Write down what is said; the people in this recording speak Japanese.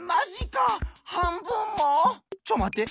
ちょっまって！